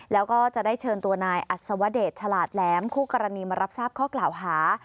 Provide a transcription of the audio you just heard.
แล้วก็จะได้เชิญตัวนายอัศวเดชฉลาดแหลมคู่กรณีมารับทราบข้อกล่าวหา